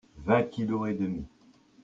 Vingt kilos et demi.